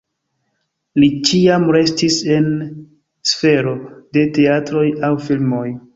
Li ĉiam restis en sfero de teatroj aŭ filmoj.